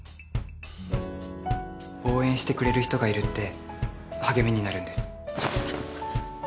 応援してくれる人がいるって励みになるんです。